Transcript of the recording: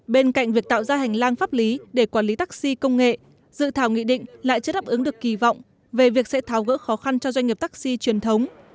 bên cạnh việc tạo ra hành lang pháp lý để quản lý taxi công nghệ dự thảo nghị định lại chưa đáp ứng được kỳ vọng về việc sẽ tháo gỡ khó khăn cho doanh nghiệp taxi truyền thống